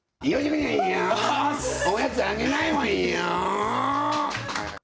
おやつあげないわよー。